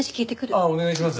ああお願いします。